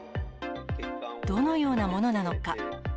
どのようなものなのか。